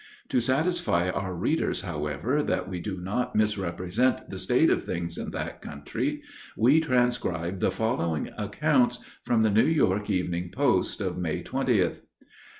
To satisfy our readers, however, that we do not misrepresent the state of things in that country, we transcribe the following accounts from The New York Evening Post, of May 20th.